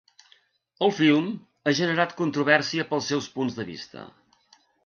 El film ha generat controvèrsia pels seus punts de vista.